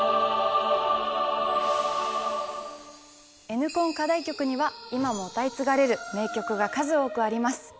Ｎコン課題曲には今も歌い継がれる名曲が数多くあります。